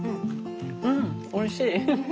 うんおいしい。